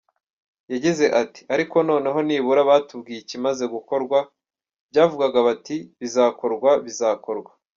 Yagize ati “Ariko noneho nibura batubwiye ikimaze gukorwa, byavugwaga bati bizakorwa, bizakorwa,….